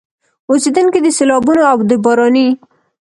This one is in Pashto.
اوسېدونکي د سيلابونو او د باراني